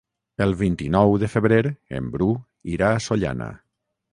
El vint-i-nou de febrer en Bru irà a Sollana.